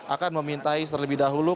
akan memintai terlebih dahulu